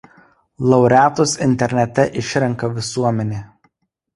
Laureatus internete išrenka visuomenė.